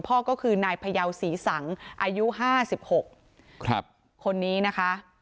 พ่อก็คือนายพยาวศรีสั่งอายุห้าสิบหกครับคนนี้นะคะ